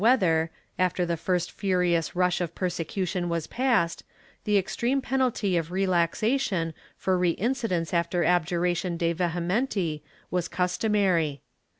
II] ABJURATION 125 whether, after the first furious rush of persecution was past, the extreme penalty of relaxation, for reincidence after abjuration de vehementi, was customary.